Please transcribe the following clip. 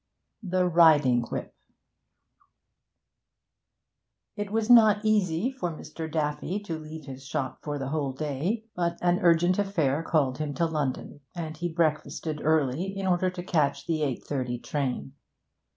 THE RIDING WHIP It was not easy for Mr. Daffy to leave his shop for the whole day, but an urgent affair called him to London, and he breakfasted early in order to catch the 8.30 train.